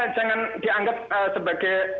jangan dianggap sebagai